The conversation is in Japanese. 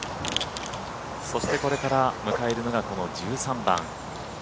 そしてこれから迎えるのがこの１３番。